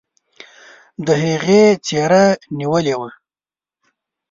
د هغې څيره نيولې وه.